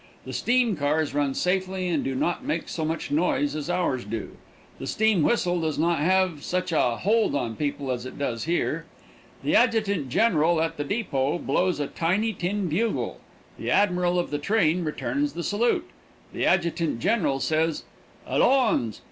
The steam cars run safely and do not make so much noise as ours do. The steam whistle does not have such a hold on people as it does here. The adjutant general at the depot blows a little tin bugle, the admiral of the train returns the salute, the adjutant general says "Allons!"